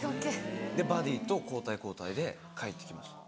バディーと交代交代で帰って来ました。